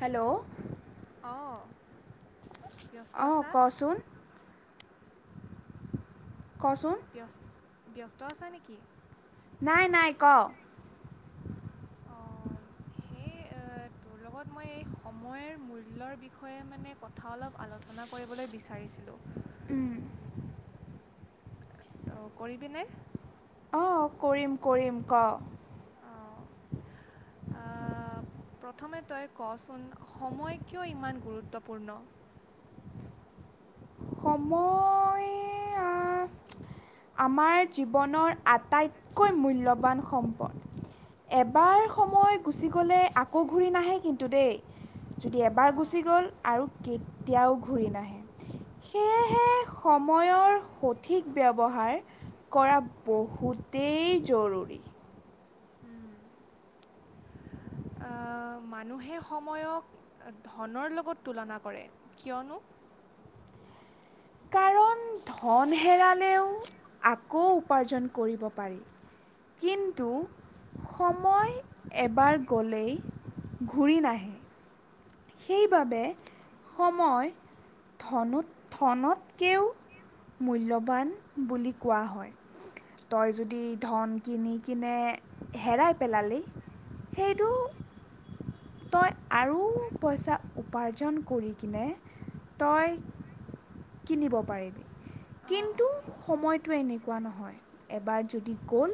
Hello. অ'হ। অ' কচোন। কচোন। ব্যস্ত ব্যস্ত আছো নেকি? নাই নাই ক' অ' সেই তোৰ লগত মই এই সময়ৰ মূল্যৰ বিষয়ে মানে কথা অলপ আলোচনা কৰিবলৈ বিচাৰিছিলো। ত' কৰিবিনে? অঁ কৰিম কৰিম ক'। প্ৰথমে তই কচোন সময় কিয় ইমান গুৰুত্বপূৰ্ণ? সময় আমাৰ জীৱনৰ আটাইতকৈ মূল্যৱান সম্পদ। এবাৰ সময় গুচি গ'লে আকৌ ঘূৰি নাহে কিন্তু দেই যদি এবাৰ অঁ, গুচি গ'ল আৰু কে এতিয়াও ঘূৰি নাহে। সেয়েহে সময়ৰ সঠিক ব্যৱহাৰ কৰা বহুতেই জৰুৰী। মানুহে সময়ক ধনৰ লগত তুলনা কৰে কিয়নো কাৰণ ধন হেৰালেও আকৌ উপাৰ্জন কৰিব পাৰি কিন্তু সময় এবাৰ গ'লেই ঘূৰি নাহে। সেইবাবে সময় ধনত ধনতকৈও মূল্যৱান বুলি কোৱা হয় তই যদি ধন কিনি কিনে হেৰাই পেলালি সেইটো তই আৰু পইচা উপাৰ্জন কৰি কিনে তই কিনিব পাৰিবি। অঁ কিন্তু অঁ সময়ত সটো এনেকুৱা নহয়, এবাৰ যদি গ'ল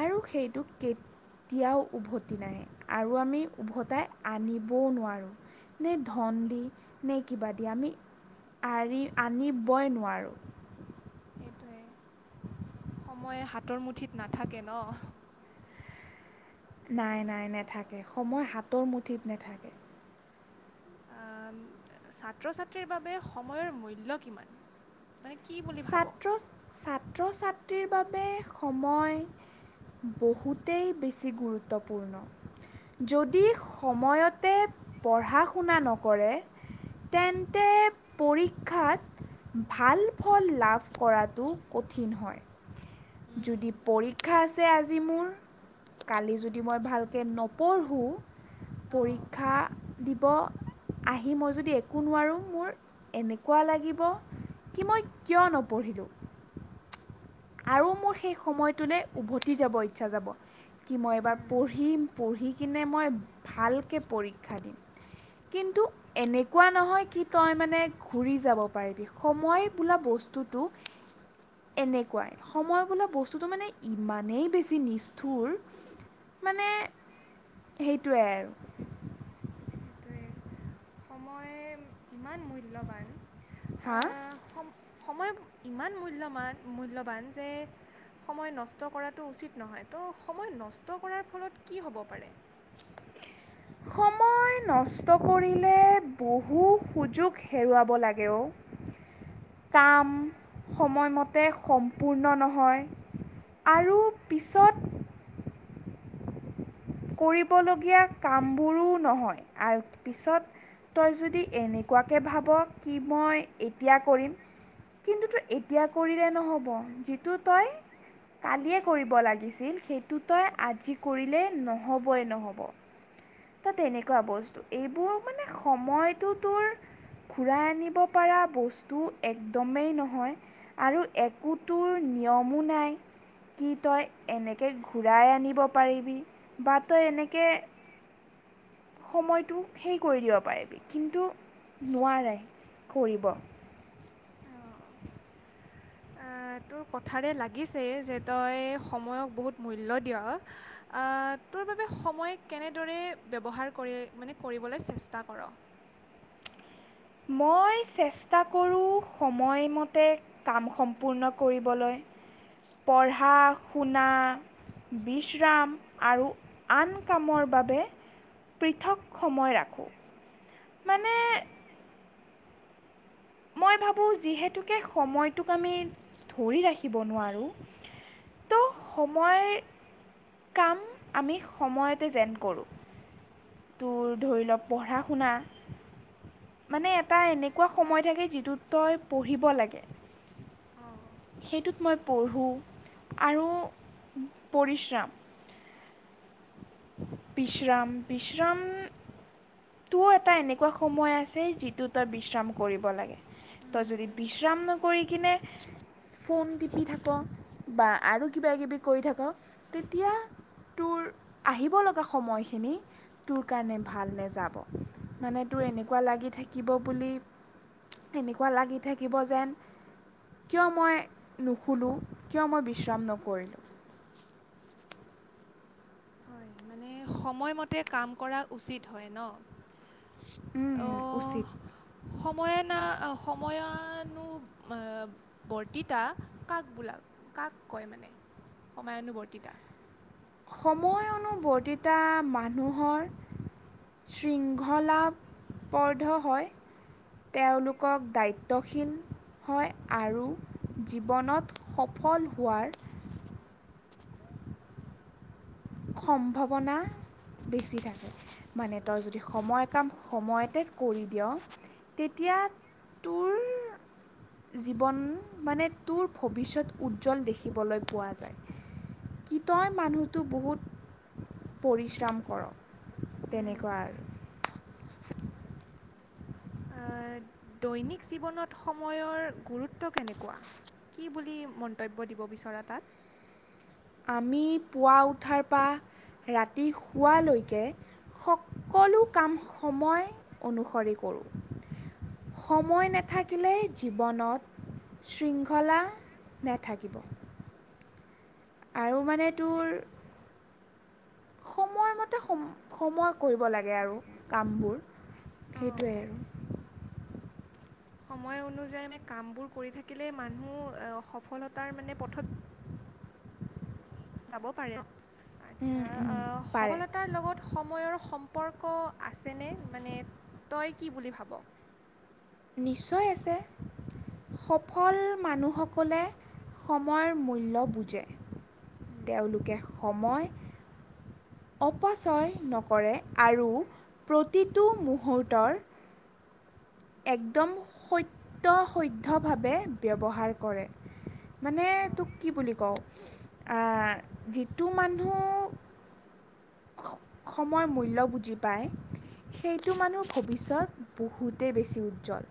আৰু সেইটো কেতিয়াও উভতি নাহে, আৰু আমি উভতাই আনিবও নোৱাৰোঁ নে ধন দি নে কিবা দি আমি আৰি আনি বই নোৱাৰোঁ। সেইটোৱে। সময় হাতৰ মুঠিত নাথাকে ন? নাই নাই নেথাকে। সময় হাতৰ মুঠিত নেথাকে। আম ছাত্ৰ ছাত্ৰীৰ বাবে সময়ৰ মূল্য কিমান? মানে কি বুলি ভাব অঁ ছাত্ৰ ছাত্ৰ ছাত ছাত্ৰ-ছাত্ৰী বাবে সময় বহুতেই বেছি গুৰুত্বপূৰ্ণ যদি সময়তে পঢ়া শুনা নকৰে তেন্তে পৰীক্ষাত ভাল। সুফল লাভ কৰাতটো কঠিন হয় যদি পৰীক্ষা আছে আজি মোৰ কালি যদি মই ভালকৈ নপঢ়োঁ পৰীক্ষা দিব আহি মই যদি একো নোৱাৰোঁ মোৰ এনেকুৱা লাগিব কি মই কিয় নপঢ়িলোঁ আৰু মোৰ সেই সময়টোলৈ উভতি যাব ইচ্ছা যাব কি মই এবাৰ পঢ়িম পঢ়ি কিনে মই ভালকে পৰীক্ষা দিম কিন্তু এনেকুৱা নহয় কি তই মানে ঘূৰি যাব পাৰিবি সময় বোলা বস্তুটো এনেকে পুৱাই সময় বোলা বস্তুটো মানে ইমানেই বেছি নিষ্ঠুৰ মানে সেইটোৱে আৰু সময় ইমান মূল্যৱান হা সম সময় ইমান মূল্যৱান যে সময় নষ্ট কৰাটো উচিত নহয় ত' সময় নষ্ট কৰাৰ ফলত কি হ'ব পাৰে সময় নষ্ট কৰিলে বহু সুযোগ হেৰুৱাব লাগেও কাম সময়মতে সম্পূৰ্ণ নহয় আৰু পিছত কৰিবলগীয়া কামবোৰো নহয় আৰু পিছত তই যদি এনেকুৱাকে ভাব কি মই এতিয়া কৰিম কিন্তু তই এতিয়া কৰিলে নহ'ব যিটো তই কালিয়ে কৰিব লাগিছিল সেইটো তই আজি কৰিলে নহ'ব হ'বই নহ'ব টা তেনেকুৱা বস্তু, এইবোৰ মানে সময়টো তোৰ ঘূৰাই আনিব পৰা বস্তু একদমেই নহয় আৰু একো তোৰ নিয়মো নাই কি তই এনেকে ঘূৰাই আনিব পাৰিবি বা তই এনেকে সময়টো হেই কৰি দিব পাৰিবি কিন্তু নোৱাৰে কৰিব। তোৰ কথাৰে লাগিছে যে তই সময়ক বহুত মূল্য দিয়। আ তোৰ বাবে সময় কেনেদৰে ব্যৱহাৰ কৰি মানে কৰিবলৈ চেষ্টা কৰ? মই চেষ্টা কৰোঁ সময়মতে কাম সম্পূৰ্ণ কৰিবলৈ, পঢ়া-শুনা, বিশ্ৰাম আৰু আন কামৰ বাবে পৃথক সময় ৰাখোঁ। মানে মই ভাবোঁ যিহেতুকে সময়টোক আমি ধৰি ৰাখিব নোৱাৰোঁ ত' সময়ৰ কাম আমি সময়তে যেন কৰোঁ। তোৰ ধৰি লওক পঢ়া-শুনা, মানে এটা এনেকুৱা সময় থাকে যিটোত তই পঢ়িব লাগে সেইটোত মই পঢ়োঁ আৰু পৰিশ্ৰম বিশ্ৰাম, বিশ্ৰাম তোৰ এটা এনেকুৱা সময় আছে যিটো তই বিশ্ৰাম কৰিব লাগে। তই যদি বিশ্ৰাম নকৰি কিনে ফোন টিপি থাক বা আৰু কিবা কিবি কৰি থাক তেতিয়া তোৰ আহিব লগা সময়খিনি তোৰ কাৰণে ভাল নেযা ব মানে তোৰ উম, এনেকুৱা লাগি থাকিব বুলি এনেকুৱা লাগি থাকিব যেন কিয় মই নুশুলো? কিয় মই বিশ্ৰাম নকৰিলোঁ? হয় মানে সময়মতে কাম কৰা উচিত হয় ন? অহ উচিত সময়ে না সময় য়ানু আ বৰ্তিতা কাক বোলা কাক কয় মানে সমায়ানুবৰ্তিতা? সময়নুবৰ্তিতা মানুহৰ শৃংখলাবদ্ধ হয় তেওঁলোকক দায়িত্বশীল হয় আৰু জীৱনত সফল হোৱাৰ সম্ভাৱনা বেছি থাকে। মানে তই যদি সময় কাম সময়তে কৰি দিয় তেতিয়া তোৰ জীৱন মানে তোৰ ভৱিষ্যত উজ্জ্বল দেখিবলৈ পোৱা যায়। কি তই মানুহ টো বহুত পৰিশ্ৰম কৰ তেনেকুৱা আৰু। আহ, দৈনিক জীৱনত সময়ৰ গুৰুত্ব কেনেকোৱা? কি বুলি মন্তব্য দিব বিচৰা তাত? আমি পুৱা উঠাৰ পা ৰাতি শুৱালৈকে সকলো কাম সময় অনুসৰি কৰোঁ, সময় নেথাকিলেই জীৱনত শৃংখলা নেথাকিব। আৰু মানে তোৰ সময়মতে সম সময় কৰিব লাগে আৰু কামবোৰ অঁ সেইটোৱেই আৰু। সময় অনুযায়ী কামবোৰ কৰি থাকিলে মানুহ সফলতাৰ মানে পথত যাব পাৰে। আচ্ছা, আহ পাৰে সফলতাৰ লগত সময়ৰ সম সম্পৰ্ক আছেনে? মানে তই কি বুলি ভাব? নিশ্চয় আছে, সফল মানুহসকলে সময়ৰ মূল্য বুজে। তেওঁলোকে সময় অপচয় নকৰে আৰু প্ৰতিটো মুহূৰ্তৰ একদম সত্য সধ্যভাৱে ব্যৱহাৰ কৰে। মানে তোক কি বুলি কওঁ আহ যিটো মানুহ সময়ৰ মূল্য বুজি পায়, সেইটো মানুহ ভৱিষ্যত বহুতেই বেছি উজ্জ্বল,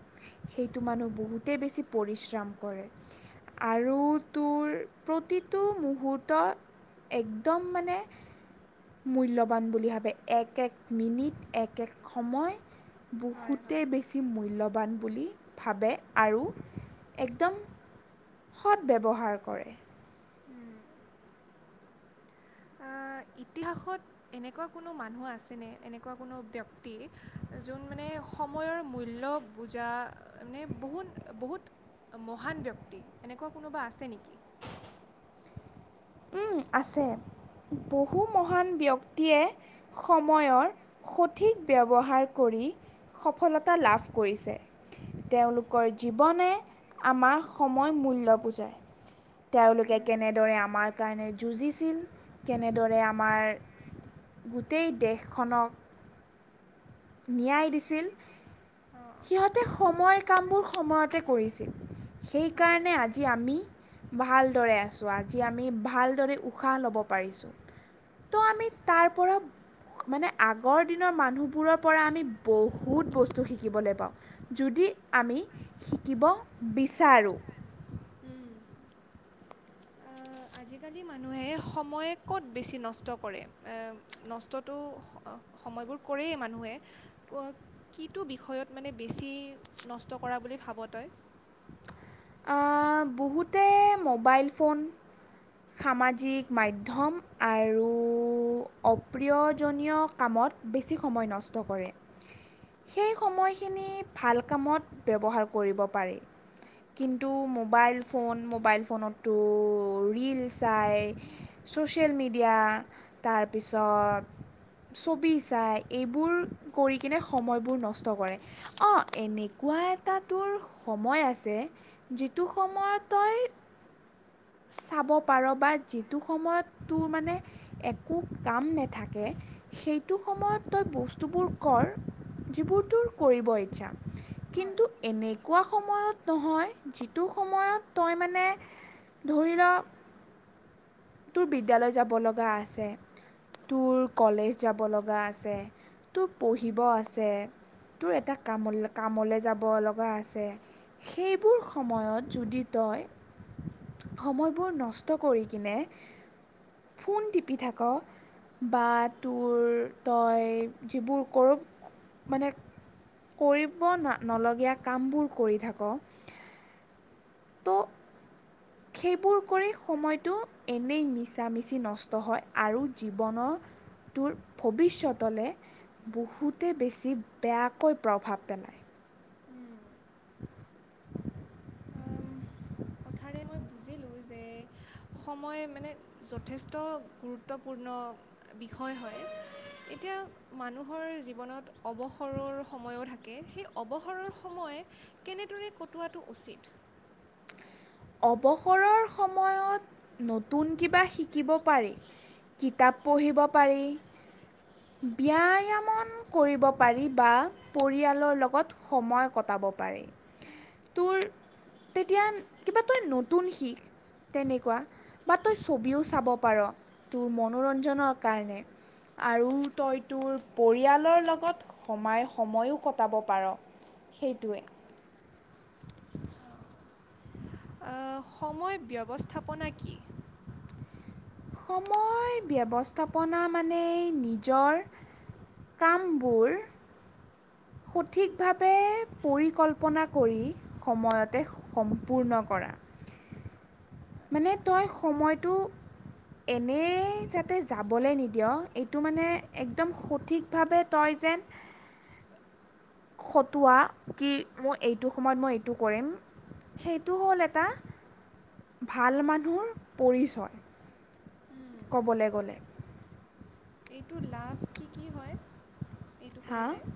সেইটো মানুহ বহুতেই বেছি পৰিশ্ৰম কৰে, আৰু তোৰ প্ৰতিটো মুহূৰ্তত একদম মানে মূল্যৱান বুলি ভাবে, এক এক মিনিট, এক এক সময় হয় বহুতে হয় বেছি মূল্য বান বুলি ভাবে আৰু একদম সৎ ব্যৱহাৰ কৰে। আহ, ইতিহাসত এনেকুৱা কোনো মানুহ আছেনে, এনেকুৱা কোনো ব্যক্তি যোন মানে সময়ৰ মূল্য বুজা মানে বহু বহুত মহান ব্যক্তি এনেকুৱা কোনোবা আছে নেকি? উম, আছে বহু মহান ব্যক্তিয়ে সময়ৰ সঠিক ব্যৱহাৰ কৰি সফলতা লাভ কৰিছে, তেওঁলোকৰ জীৱনে আমাৰ সময় মূল্য বুজায়। তেওঁলোকে কেনেদৰে আমাৰ কাৰণে যুঁজিছিল, কেনেদৰে আমাৰ গোটেই দেশখনক ন্যায় দিছিল। সিহঁতে সময়ক কামবোৰ সময়তে কৰিছিল, হয় সেইকাৰণে আজি আমি ভালদৰে আছোঁ, আজি আমি ভালদৰে উশাহ ল'ব পাৰিছোঁ, ত' আমি তাৰ পৰা মানে আগৰ দিনৰ মানুহবোৰৰ পৰা আমি বহুত বস্তু শিকিবলৈ পাওঁ যদি আমি শিকিব বিচাৰোঁ। আজিকালি মানুহে সময় ক'ত বেছি নষ্ট কৰে, নষ্টটো সময়বোৰ কৰেই, মানুহে কিটো বিষয়ত মানে বেছি নষ্ট কৰা বুলি ভাব তই? আহ, বহুতে মোবাইল ফোন সামাজিক মাধ্যম আৰু অপ্ৰিয়জনীয় কামত বেছি সময় নষ্ট কৰে, সেই সময়খিনি ভাল কামত ব্যৱহাৰ কৰিব পাৰি। কিন্তু মোবাইল ফোন মোবাইল ফোনতো ৰীল চাই চ'চিয়েল মিডিয়া তাৰপিছত ছবি চাই, এইবোৰ কৰি কিনে সময়বোৰ নষ্ট কৰে অঁ এনেকুৱা এটা তোৰ সময় আছে যিটো সময়ত তই চাব পাৰ বা যিটো সময়ত তুৰ মানে একো কাম নেথাকে সেইটো সময়ত তই বস্তুবোৰ কৰ যিবোৰ তুৰ কৰিব ইচ্ছা। কিন্তু এনেই, কোৱা সময়ত নহয়। যিটো সময়ত তই মানে ধৰি ল তুৰ বিদ্যালয় যাব লগা আছে তুৰ কলেজ যাব লগা আছে তুৰ পঢ়িব আছে তুৰ এটা কাম কামলৈ যাব লগা আছে সেইবোৰ, সময়ত যদি তই সময়বোৰ নষ্ট কৰি কিনে ফোন টিপি থাক বা তুৰ তই যিবোৰ কৰ মানে কৰিব নলগীয়া কামবোৰ কৰি থাক। ত, সেইবোৰ কৰি সময়টো এনেই মিছা মিছি নষ্ট হয় আৰু জীৱনৰ তুৰ ভৱিষ্যতলে বহুতে বেছি বেয়াকৈ প্ৰভাৱ পেলায়। [inaudible] আম, কথাৰে মই বুজিলোঁ যে সময় মানে যথেষ্ট গুৰুত্বপূৰ্ণ বিষয় হয় এতিয়া মানুহৰ জীৱনত অৱসৰৰ সময়ো থাকে সেই অৱসৰৰ সময় কেনেদৰে কটোৱাটো উচিত। অৱসৰৰ সময়ত নতুন কিবা শিকিব পাৰি কিতাপ পঢ়িব পাৰি ব্যায়ামন কৰিব পাৰি বা পৰিয়ালৰ লগত সময় কটাব পাৰি তুৰ তেতিয়া। কিবা তই নতুন শিখ তেনেকুৱা বা তই ছবিও চাব পাৰ তোৰ মনোৰঞ্জনৰ কাৰণে আৰু তই তোৰ পৰিয়ালৰ লগত সমাই সময়ো কটাব পাৰ সেইটোৱেই। আ, সময় ব্যৱস্থাপনা কি। সময় ব্যৱস্থাপনা মানে নিজৰ কামবোৰ। সঠিকভাৱে পৰিকল্পনা কৰি সময়তে সম্পূৰ্ণ কৰা। মানে আচ্ছা তই সময়টো। এনে যাতে যাবলৈ নিদিয় এইটো মানে একদম সঠিকভাৱে তই যেন, খটোৱা কি মই এইটো সময়ত মই এইটো কৰিম সেইটো হ'ল এটা ভাল মানুহৰ পৰিচয় ক'বলৈ গ'লে। এইটোৰ লাভ কি কি হয়। এইটো হা কৰিলে।